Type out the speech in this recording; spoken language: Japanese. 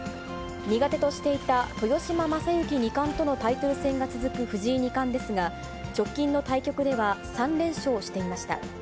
苦手としていた豊島将之二冠とのタイトル戦が続く藤井二冠ですが、直近の対局では３連勝していました。